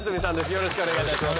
よろしくお願いします。